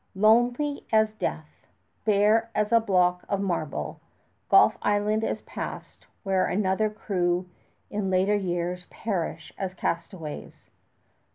Lonely as death, bare as a block of marble, Gull Island is passed where another crew in later years perish as castaways.